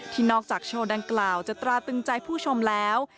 นอกจากโชว์ดังกล่าวจะตราตึงใจผู้ชมแล้ว